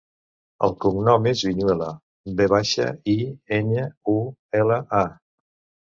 El cognom és Viñuela: ve baixa, i, enya, u, e, ela, a.